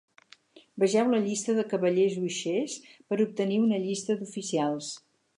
Vegeu la Llista de cavallers uixers per obtenir una llista d'oficials.